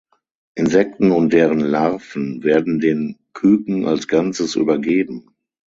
Insekten und deren Larven werden den Küken als Ganzes übergeben.